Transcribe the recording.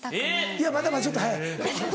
いやまだちょっと早い。